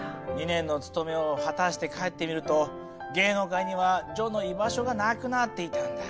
２年の務めを果たして帰ってみると芸能界には徐の居場所がなくなっていたんだ。